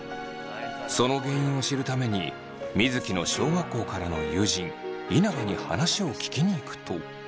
その原因を知るために水城の小学校からの友人稲葉に話を聞きに行くと。